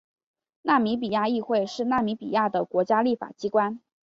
纳米比亚议会是纳米比亚的国家立法机关。